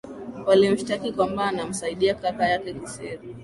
walimshtaki kwamba anamsaidia kaka yake kisiri